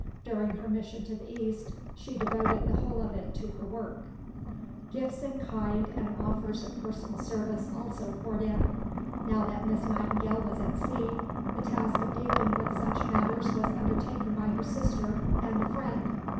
During her mission to the East she devoted the whole of it to her work. The Statement (see Bibliography A, No. 5). Gifts in kind and offers of personal service also poured in. Now that Miss Nightingale was at sea, the task of dealing with such matters was undertaken by her sister and a friend.